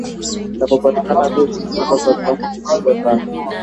Na inapopatikana bei zimepanda kwa viwango vikubwa sana